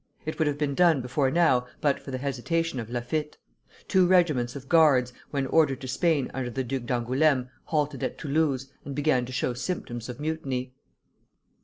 It would have been done before now but for the hesitation of Laffitte. Two regiments of guards, when ordered to Spain under the Duc d'Angoulême, halted at Toulouse, and began to show symptoms of mutiny.